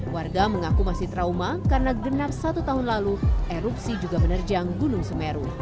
warga mengaku masih trauma karena genap satu tahun lalu erupsi juga menerjang gunung semeru